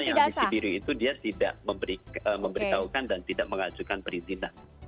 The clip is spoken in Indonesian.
karena yang di kibiru itu dia tidak memberitahukan dan tidak mengajukan perizinan